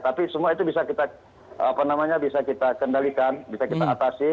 tapi semua itu bisa kita kendalikan bisa kita atasi